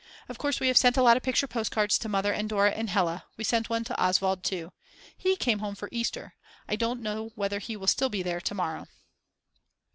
Of course we have sent a lot of picture postcards to Mother and Dora and Hella; we sent one to Oswald too. He came home for Easter. I don't know whether he will still be there to morrow.